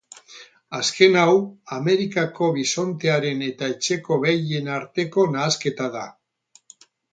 Azken hau Amerikako bisontearen eta etxeko behien arteko nahasketa da.